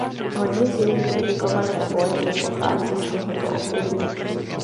Hodně z její publikované poezie pochází z tohoto období.